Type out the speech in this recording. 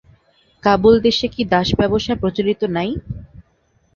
কাবুলদেশে কি দাসব্যবসা প্রচলিত নাই।